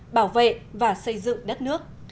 bảo vệ và xây dựng đất nước